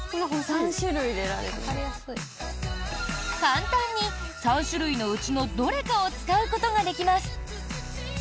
簡単に３種類のうちのどれかを使うことができます。